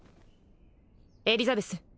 エリザベス